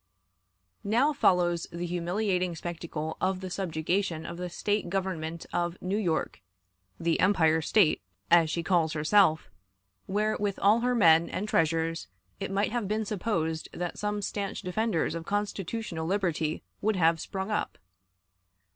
Now follows the humiliating spectacle of the subjugation of the State government of New York the "Empire" State, as she calls herself where, with all her men and treasures, it might have been supposed that some stanch defenders of constitutional liberty would have sprung up.